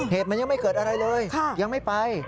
เหตุมันยังไม่เกิดอะไรเลยยังไม่ไป